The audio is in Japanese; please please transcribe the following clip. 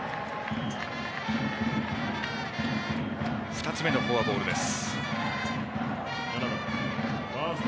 ２つ目のフォアボールです。